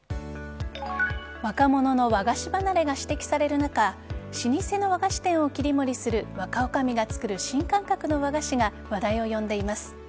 若者の和菓子離れが指摘される中老舗の和菓子店を切り盛りする若女将が作る新感覚の和菓子が話題を呼んでいます。